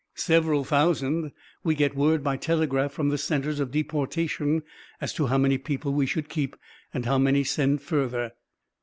"Several thousand. We get word by telegraph from the centres of deportation as to how many people we should keep and how many send further."